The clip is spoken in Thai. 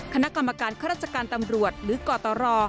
คณะกรรมการคฤศกาลตำรวจหรือกรตรอ